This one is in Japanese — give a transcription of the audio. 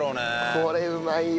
これうまいよ。